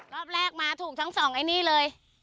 รอบแรกมาถูกทั้งสองไอ้นี่เลย